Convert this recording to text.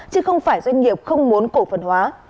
chứ không phải doanh nghiệp không muốn cổ phần hóa